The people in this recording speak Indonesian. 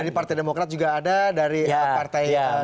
dari partai demokrat juga ada dari partai gerindra juga ada